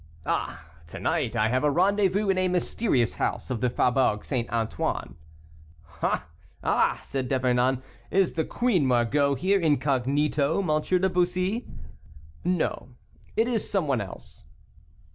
"Ah! To night, I have a rendezvous in a mysterious house of the Faubourg St. Antoine." "Ah! ah!" said D'Epernon, "is the Queen Margot here, incognito, M. de Bussy?" "No, it is some one else."